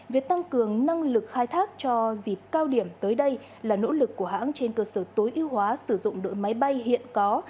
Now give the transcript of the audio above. việc tăng cường năng lực khai thác cho dịp cao điểm tới đây là nỗ lực của hãng trên cơ sở tối ưu hóa sử dụng đội máy bay hiện có